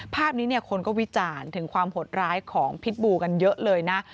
ภาพนี้คนก็วิจารณ์ถึงความหดร้ายของพิษบูกันเยอะเลยนะ